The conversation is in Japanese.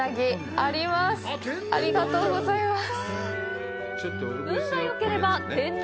ありがとうございます。